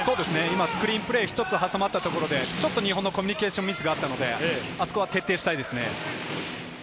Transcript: スクリーンプレーが一つ挟まったところで日本のコミュニケーションミスがあったので、あそこは徹底したいですね。